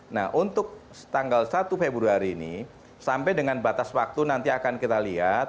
nah untuk tanggal satu februari ini sampai dengan batas waktu nanti akan kita lihat